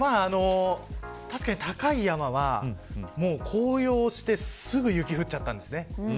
確かに高い山は紅葉してすぐ雪が降っちゃったんです。